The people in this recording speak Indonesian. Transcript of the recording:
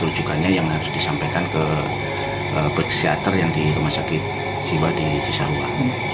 rujukannya yang harus disampaikan ke psikiater yang di rumah sakit jiwa di cisarua